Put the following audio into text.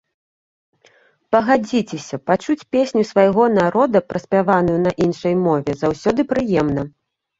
Пагадзіцеся, пачуць песню свайго народа праспяваную на іншай мове заўсёды прыемна!